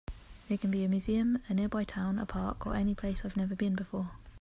They can be a museum, a nearby town, a park, or any place that I have never been before.